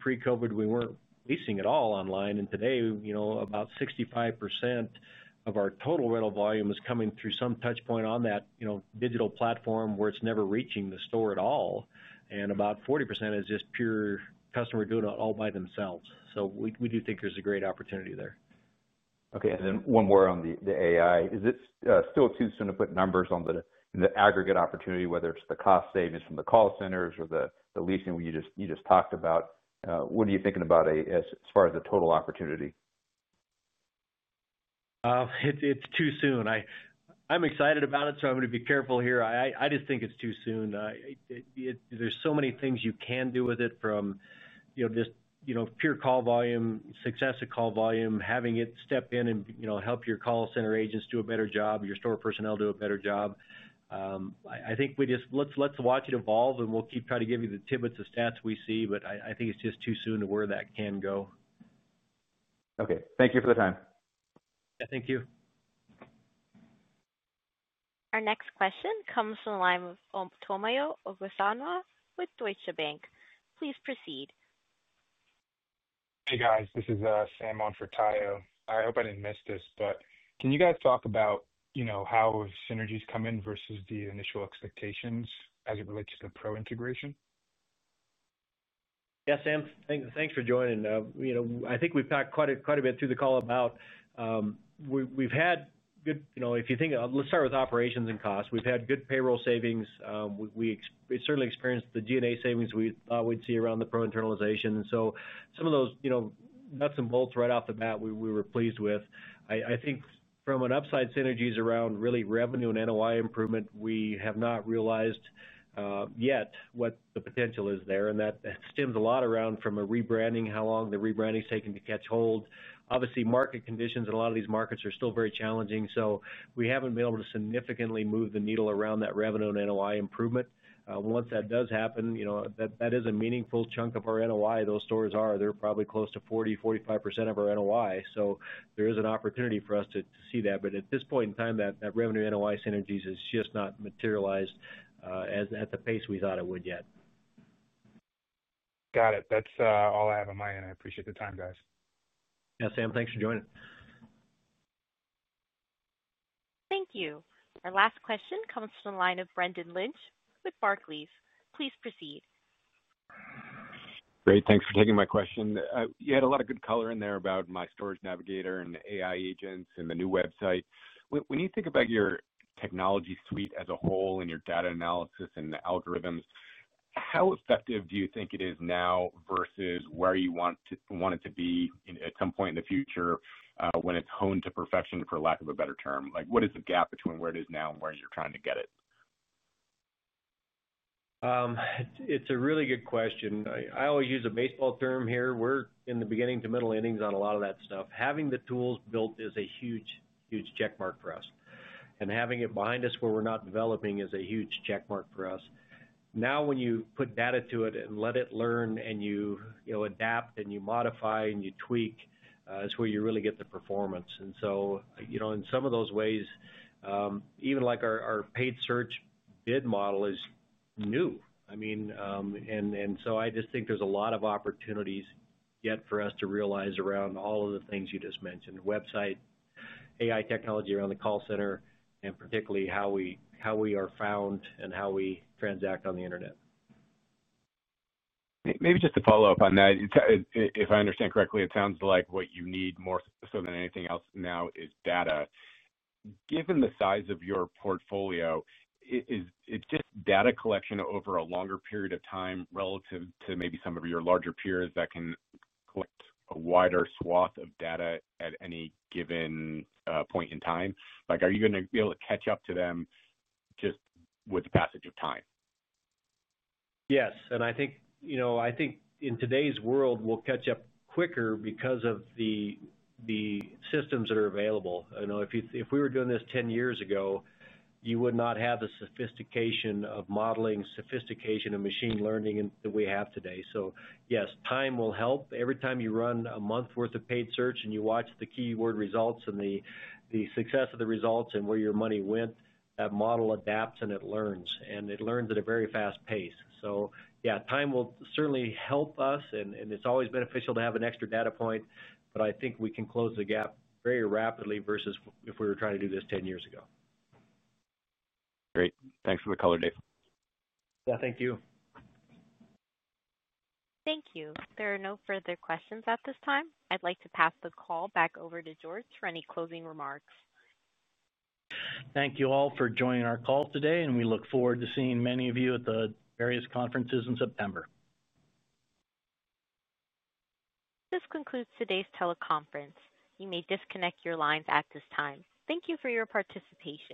Speaker 3: pre-COVID, we weren't leasing at all online. Today, about 65% of our total rental volume is coming through some touchpoint on that digital platform where it's never reaching the store at all. About 40% is just pure customer doing it all by themselves. We do think there's a great opportunity there.
Speaker 15: Okay. One more on the AI. Is it still too soon to put numbers on the aggregate opportunity, whether it's the cost savings from the call centers or the leasing you just talked about? What are you thinking about as far as the total opportunity?
Speaker 3: It's too soon. I'm excited about it, so I'm going to be careful here. I just think it's too soon. There are so many things you can do with it from pure call volume, success of call volume, having it step in and help your call center agents do a better job, your store personnel do a better job. I think we just, let's watch it evolve and we'll keep trying to give you the tidbits of stats we see, but I think it's just too soon to where that can go.
Speaker 15: Okay, thank you for the time.
Speaker 3: Thank you.
Speaker 1: Our next question comes from the line of Omotayo Okusanya with Deutsche Bank. Please proceed.
Speaker 16: Hey guys, this is Sam on for Tayo. I hope I didn't miss this, but can you guys talk about, you know, how synergies come in versus the initial expectations as it relates to the PRO-internalization initiative?
Speaker 3: Yeah, Sam, thanks for joining. I think we've talked quite a bit through the call about we've had good, you know, if you think, let's start with operations and cost. We've had good payroll savings. We certainly experienced the G&A savings we thought we'd see around the PRO-internalization. Some of those nuts and bolts right off the bat, we were pleased with. I think from an upside synergies around really revenue and NOI improvement, we have not realized yet what the potential is there. That stems a lot from a rebranding, how long the rebranding is taking to catch hold. Obviously, market conditions in a lot of these markets are still very challenging. We haven't been able to significantly move the needle around that revenue and NOI improvement. Once that does happen, that is a meaningful chunk of our NOI. Those stores are probably close to 40%, 45% of our NOI. There is an opportunity for us to see that. At this point in time, that revenue NOI synergies has just not materialized at the pace we thought it would yet.
Speaker 16: Got it. That's all I have on my end. I appreciate the time, guys.
Speaker 3: Yeah, Sam, thanks for joining.
Speaker 1: Thank you. Our last question comes from the line of Brendan Lynch with Barclays. Please proceed.
Speaker 17: Great. Thanks for taking my question. You had a lot of good color in there about My Storage Navigator and AI agents and the new website. When you think about your technology suite as a whole and your data analysis and algorithms, how effective do you think it is now versus where you want it to be at some point in the future when it's honed to perfection, for lack of a better term? What is the gap between where it is now and where you're trying to get it?
Speaker 3: It's a really good question. I always use a baseball term here. We're in the beginning to middle innings on a lot of that stuff. Having the tools built is a huge, huge checkmark for us. Having it behind us where we're not developing is a huge checkmark for us. Now, when you put data to it and let it learn and you adapt and you modify and you tweak, that's where you really get the performance. In some of those ways, even like our paid search bid model is new. I mean, I just think there's a lot of opportunities yet for us to realize around all of the things you just mentioned: website, AI technology around the call center, and particularly how we are found and how we transact on the internet.
Speaker 17: Maybe just to follow up on that, if I understand correctly, it sounds like what you need more so than anything else now is data. Given the size of your portfolio, is it just data collection over a longer period of time relative to maybe some of your larger peers that can collect a wider swath of data at any given point in time? Like, are you going to be able to catch up to them just with the passage of time?
Speaker 3: Yes. I think in today's world, we'll catch up quicker because of the systems that are available. If we were doing this 10 years ago, you would not have the sophistication of modeling, sophistication of machine learning that we have today. Yes, time will help. Every time you run a month's worth of paid search and you watch the keyword results and the success of the results and where your money went, that model adapts and it learns. It learns at a very fast pace. Time will certainly help us. It's always beneficial to have an extra data point, but I think we can close the gap very rapidly versus if we were trying to do this 10 years ago.
Speaker 17: Great. Thanks for the color, Dave.
Speaker 3: Thank you.
Speaker 1: Thank you. If there are no further questions at this time, I'd like to pass the call back over to George for any closing remarks.
Speaker 2: Thank you all for joining our call today, and we look forward to seeing many of you at the various conferences in September.
Speaker 1: This concludes today's teleconference. You may disconnect your lines at this time. Thank you for your participation.